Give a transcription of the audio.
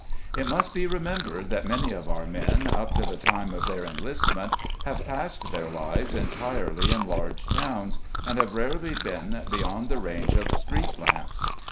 It must be remembered that many of our men up to the time of their enlistment have passed their lives entirely in large towns, and have rarely been beyond the range of street lamps.